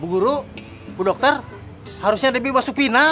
bu guru bu dokter harusnya debbie masuk final